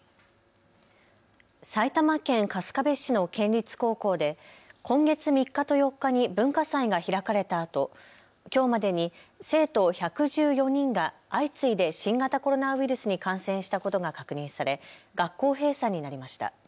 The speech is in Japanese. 埼玉県春日部市の県立高校で今月３日と４日に文化祭が開かれたあときょうまでに生徒１１４人が相次いで新型コロナウイルスに感染したことが確認され学校閉鎖になりました。